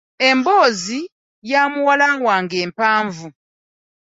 Emboozi ya muwala wange mpanvu.